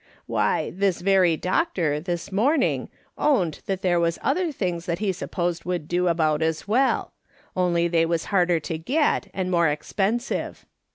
Why, this very doctor, this morning, owned that there was other things that lie supposed would do about as well, only they was harder to get, and more expen sive.